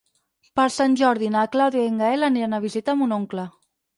Per Sant Jordi na Clàudia i en Gaël aniran a visitar mon oncle.